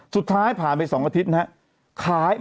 สุดท้ายผ่านไป๒อาทิตย์นะครับ